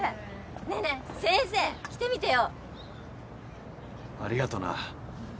ねえねえ先生着てみてよ。ありがとな。